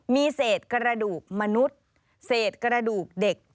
มีเศษกระดูกมนุษย์เศษกระดูกเด็ก